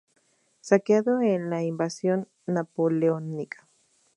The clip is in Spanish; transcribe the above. Saqueado en la invasión napoleónica.